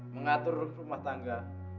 mengatur rumah tangga